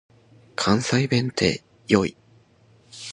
関西弁って良い。